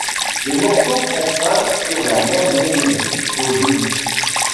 Le morceau prend fin sur la même mélodie qu’au début.